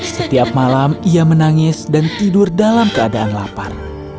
setiap malam ia menangis dan tidur dalam keadaan lapar